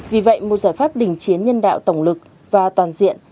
vì vậy một giải pháp đình chiến nhân đạo tổng lực và toàn diện